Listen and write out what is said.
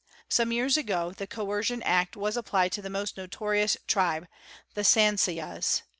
Some years ago the Coercion Act was applied to the most notorious tribe, the Sansiyas.